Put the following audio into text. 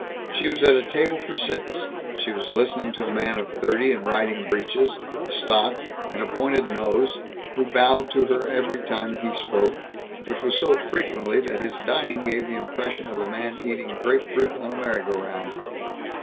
She was at a table for six. She was listening to a man of thirty in riding breeches, a stock, and a pointed nose, who bowed to her every time he spoke, which was so frequently that his dining gave the impression of a man eating grape fruit on a merry go round.